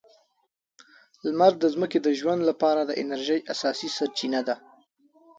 لمر د ځمکې د ژوند لپاره د انرژۍ اساسي سرچینه ده.